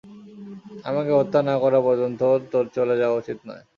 আমাকে হত্যা না করা পর্যন্ত, তোর চলে যাওয়া উচিৎ নয়।